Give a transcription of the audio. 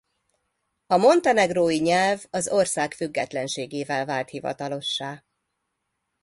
A montenegrói nyelv az ország függetlenségével vált hivatalossá.